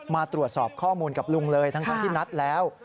มาตรวจสอบข้อมูลกับลุงเลยทั้งที่นัดแล้ว